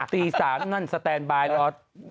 ตี๓นั่นสแตนบายรอ